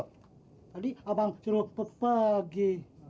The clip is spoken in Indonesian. tadi abang suruh pegi